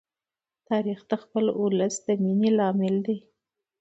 تاریخ د خپل ولس د مینې لامل دی.